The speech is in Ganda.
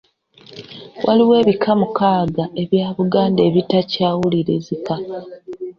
Waliwo ebika mukaaga ebya Buganda ebitakyawulizika.